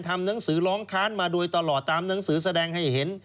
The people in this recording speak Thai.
ทำหนังสือร้องค้านมาโดยตลอดตามหนังสือแสดงให้เห็น